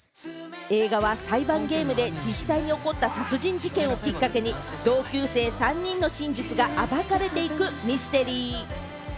映画は裁判ゲームで実際に起こった殺人事件をきっかけに、同級生３人の真実が暴かれていくミステリー。